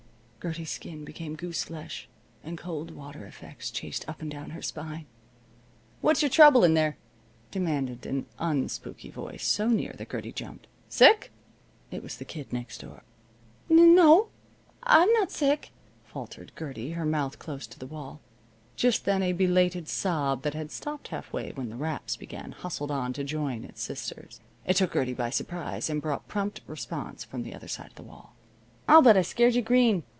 "Rap rap rap!" Gertie's skin became goose flesh, and coldwater effects chased up and down her spine. "What's your trouble in there?" demanded an unspooky voice so near that Gertie jumped. "Sick?" It was the Kid Next Door. "N no, I'm not sick," faltered Gertie, her mouth close to the wall. Just then a belated sob that had stopped halfway when the raps began hustled on to join its sisters. It took Gertie by surprise, and brought prompt response from the other side of the wall. "I'll bet I scared you green.